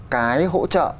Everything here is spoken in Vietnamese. cái hỗ trợ